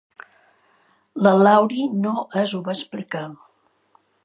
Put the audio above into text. La Laurie no es ho va explicar.